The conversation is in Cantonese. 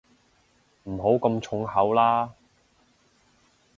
唔好咁重口啦